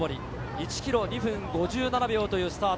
１ｋｍ２分５７秒というスタート。